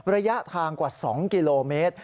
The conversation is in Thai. ระยะทางกว่า๒กิโลเมตร